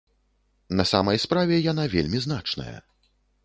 На самай справе, яна вельмі значная.